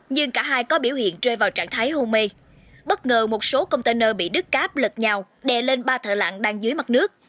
nhưng cả hai có biểu hiện rơi vào trạng thái hôn mê bất ngờ một số container bị đứt cáp lật nhào đè lên ba thợ lặn đang dưới mặt nước